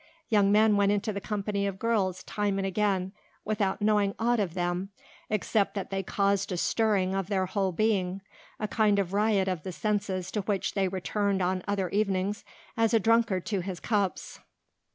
Young men went into the company of girls time and again without knowing aught of them except that they caused a stirring of their whole being, a kind of riot of the senses to which they returned on other evenings as a drunkard to his cups.